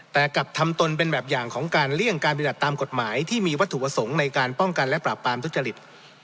แต่กลับทำตนเป็นแบบอย่างของการเลี่ยงการปฏิบัติตามกฎหมายที่มีวัตถุประสงค์ในการป้องกันและปราบปรามทุจริต